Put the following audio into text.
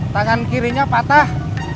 tangan kirinya patah